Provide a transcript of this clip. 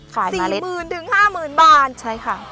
ขายเมล็ดใช่ค่ะ๔๐๐๐๐ถึง๕๐๐๐๐บาท